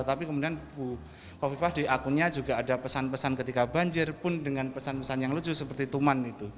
tapi kemudian bu kofifah di akunnya juga ada pesan pesan ketika banjir pun dengan pesan pesan yang lucu seperti tuman itu